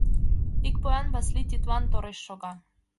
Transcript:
Ик поян Васлий тидлан тореш шога.